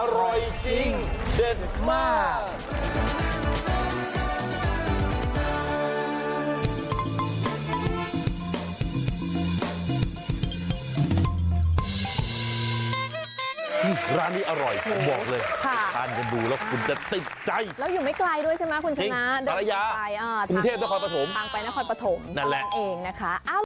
อร่อยจริงเด็ดมาก